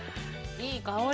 いい香り。